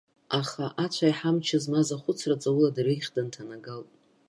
Аха, ацәа аиҳа амч змаз ахәыцра ҵаула адырҩагьх дынҭанагалт.